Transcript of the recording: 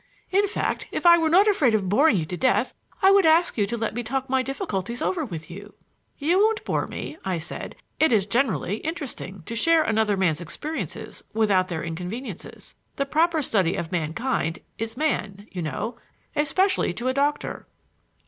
In fact, if I were not afraid of boring you to death I would ask you to let me talk my difficulties over with you." "You won't bore me," I said. "It is generally interesting to share another man's experiences without their inconveniences. 'The proper study of mankind is man,' you know, especially to a doctor."